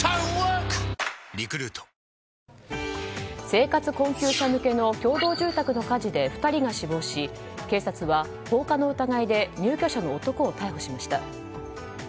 生活困窮者向けの共同住宅の火事で２人が死亡し警察は放火の疑いで入居者の男を逮捕しました。